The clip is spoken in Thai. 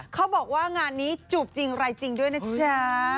เขาบอกว่างานนี้จูบจริงรายจริงด้วยนะจ๊ะ